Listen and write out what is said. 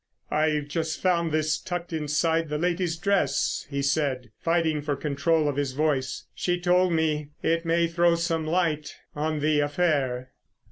"I've just found this tucked inside the lady's dress," he said, fighting for control of his voice. "She told me ... it may throw some light ... on the affair."